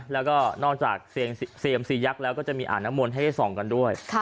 แล้วก็นอกจากเซียมซียักษ์แล้วก็จะมีอ่างน้ำมนต์ให้ได้ส่องกันด้วย